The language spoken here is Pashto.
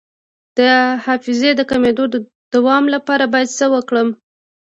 د حافظې د کمیدو د دوام لپاره باید څه وکړم؟